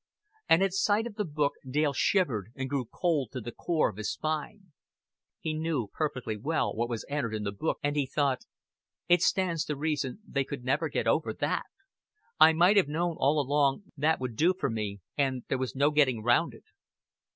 And at sight of the book Dale shivered and grew cold to the core of his spine. He knew perfectly well what was entered in the book, and he thought, "It stands to reason They could never get over that. I might have known all along that would do for me, an' there was no getting round it."